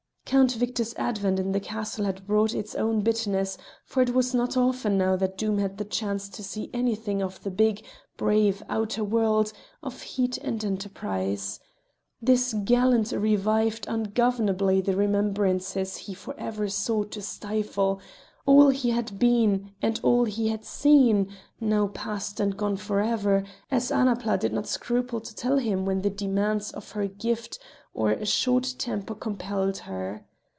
Count Victor's advent in the castle had brought its own bitterness, for it was not often now that Doom had the chance to see anything of the big, brave outer world of heat and enterprise. This gallant revived ungovernably the remembrances he for ever sought to stifle all he had been and all he had seen, now past and gone for ever, as Annapla did not scruple to tell him when the demands of her Gift or a short temper compelled her.